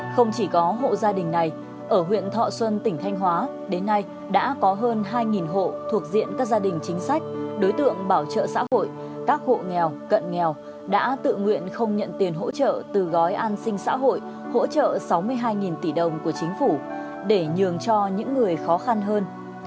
không chỉ có hộ gia đình này ở huyện thọ xuân tỉnh thanh hóa đến nay đã có hơn hai hộ thuộc diện các gia đình chính sách đối tượng bảo trợ xã hội các hộ nghèo cận nghèo đã tự nguyện không nhận tiền hỗ trợ từ gói an sinh xã hội hỗ trợ sáu mươi hai tỷ đồng của chính phủ để nhường cho những người khó khăn hơn